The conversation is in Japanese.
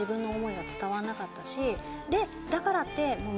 だからって。